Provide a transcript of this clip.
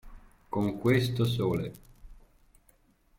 Con questo sole.